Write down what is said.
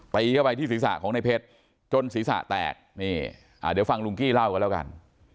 เข้าไปที่ศีรษะของในเพชรจนศีรษะแตกนี่เดี๋ยวฟังลุงกี้เล่ากันแล้วกัน